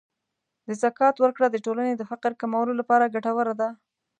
د زکات ورکړه د ټولنې د فقر کمولو لپاره ګټوره ده.